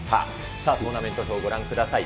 さあ、トーナメント表、ご覧ください。